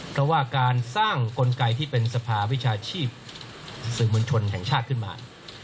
เพราะว่าการสร้างกลไกที่เป็นสภาวิชาชีพสื่อมวลชนแห่งชาติขึ้นมา